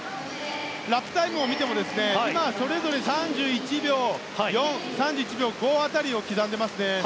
ラップタイムを見ても今それぞれ３１秒４、３１秒５辺りを刻んでいますね。